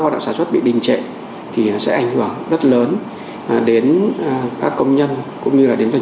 hoạt động sản xuất bị đình trệ thì nó sẽ ảnh hưởng rất lớn đến các công nhân cũng như là đến doanh